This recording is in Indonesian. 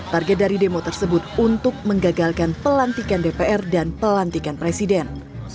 target dari demo tersebut untuk menggagalkan pelantikan dpr dan pelantikan presiden